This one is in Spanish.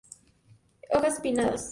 Hojas pinnadas.